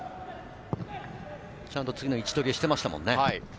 ちゃんと次の位置取りをしていましたもんね。